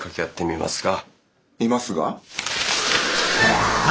みますが？